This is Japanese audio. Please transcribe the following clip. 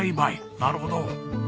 なるほど。